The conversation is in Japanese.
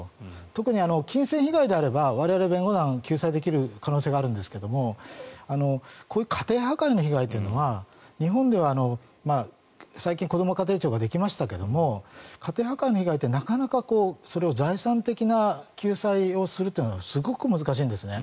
特に金銭被害であれば我々、弁護団は救済できる可能性があるんですがこういう家庭破壊の被害っていうのは日本では最近こども家庭庁ができましたが家庭破壊の被害ってなかなかそれを財産的な救済をするというのはすごく難しいんですね。